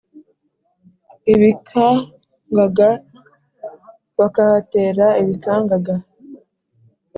ibikangaga bakahatera ibikangaga!